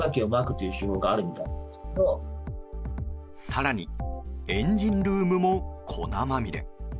更にエンジンルームも粉まみれ。